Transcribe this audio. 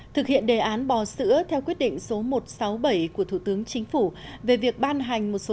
thực hiện đề án bò sữa theo quyết định số một trăm sáu mươi bảy của thủ tướng chính phủ về việc ban hành một số